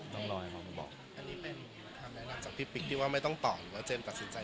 วันนี้พี่ปิ๊กก็มาก็ยังอะไรอยู่เหมือนเดิม